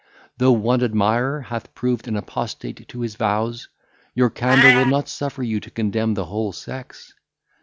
Though one admirer hath proved an apostate to his vows, your candour will not suffer you to condemn the whole sex.